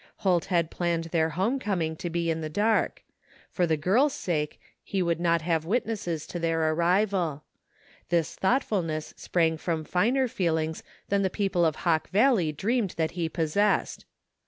Holt had planned their home coming to be in the dark. For the girl's sake he would not have witnesses to their arrival. This thoughtf ulness sprang from finer feelings than the people of Hawk Valley dreamed that he possessed.